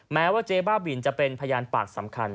แม้ว่าเจ๊บ้าบินจะเป็นพยานปากสำคัญ